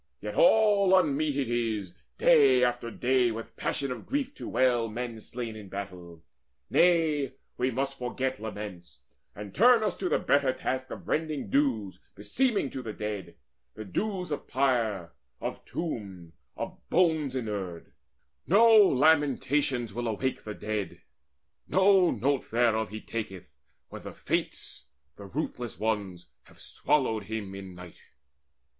Yet all unmeet it is Day after day with passion of grief to wail Men slain in battle: nay, we must forget Laments, and turn us to the better task Of rendering dues beseeming to the dead, The dues of pyre, of tomb, of bones inurned. No lamentations will awake the dead; No note thereof he taketh, when the Fates, The ruthless ones, have swallowed him in night."